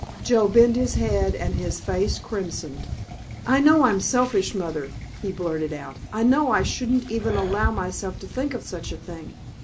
Joe bent his head and his face crimsoned. "I know I'm selfish, Mother," he blurted out; "I know I shouldn't even allow myself to think of such a thing.